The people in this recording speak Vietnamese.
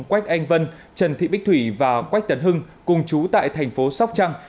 quách anh vân trần thị bích thủy và quách tấn hưng cùng chú tại thành phố sóc trăng